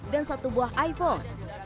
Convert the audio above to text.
dan satu buah iphone